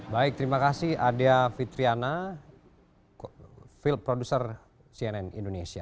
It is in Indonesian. baik terima kasih ardia fitriana field producer cnn indonesia